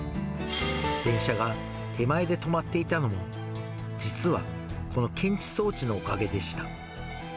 電車が手前で止まっていたのも、実はこの検知装置のおかげでした。